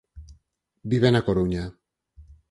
Vive na Coruña.